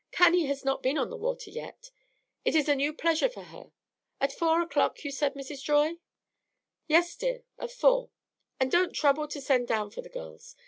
"Cannie has not been on the water yet. It is a new pleasure for her. At four o'clock, you said, Mrs. Joy?" "Yes, dear, at four. And don't trouble to send down for the girls.